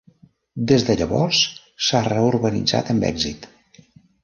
Des de llavors, s'ha reurbanitzat amb èxit.